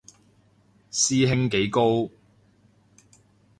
師兄幾高